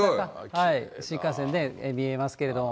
新幹線ね、見えますけども。